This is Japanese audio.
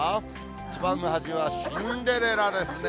一番端はシンデレラですね。